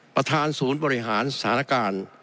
ประธานศูนย์บริหารสถานการณ์